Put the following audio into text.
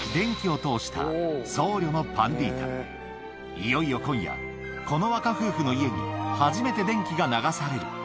いよいよ今夜、この若夫婦の家に初めて電気が流される。